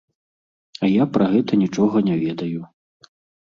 А я пра гэта нічога не ведаю.